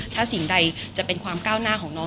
ถ้าสิ่งใดจะเป็นความก้าวหน้าของน้อง